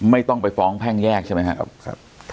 ไม่ต้องไปฟ้องแพ่งแยกใช่ไหมครับ